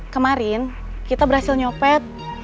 kemarin kita berhasil nyopet